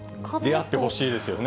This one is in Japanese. であってほしいですよね。